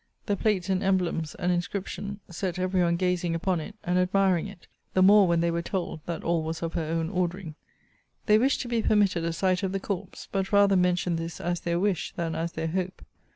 The plates, and emblems, and inscription, set every one gazing upon it, and admiring it. The more, when they were told, that all was of her own ordering. They wished to be permitted a sight of the corpse; but rather mentioned this as their wish than as their hope.